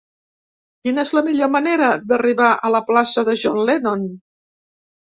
Quina és la millor manera d'arribar a la plaça de John Lennon?